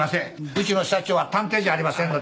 うちの社長は探偵じゃありませんので。